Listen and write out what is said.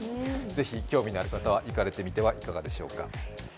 ぜひ、興味のある方は行かれてみてはいかがでしょうか。